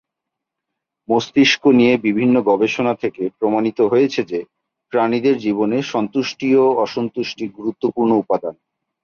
মস্তিষ্ক নিয়ে বিভিন্ন গবেষণা থেকে প্রমাণিত হয়েছে যে প্রাণীদের জীবনে সন্তুষ্টি ও অসন্তুষ্টি গুরুত্বপূর্ণ উপাদান।